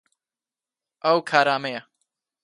ئەو کارامەیە.